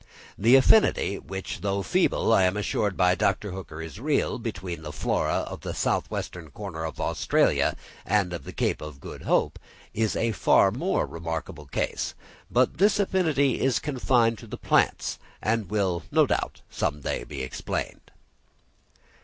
The affinity, which, though feeble, I am assured by Dr. Hooker is real, between the flora of the south western corner of Australia and of the Cape of Good Hope, is a far more remarkable case; but this affinity is confined to the plants, and will, no doubt, some day be explained.